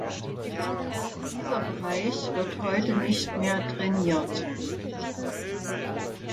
Dieser Bereich wird heute nicht mehr drainiert.